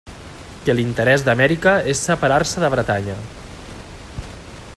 Que l'interès d'Amèrica és separar-se de Bretanya.